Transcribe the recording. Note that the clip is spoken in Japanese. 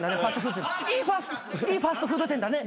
いいファストフード店だね。